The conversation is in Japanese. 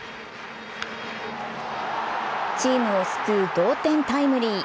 チームを救う同点タイムリー。